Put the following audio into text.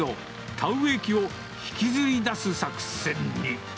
田植え機を引きずり出す作戦に。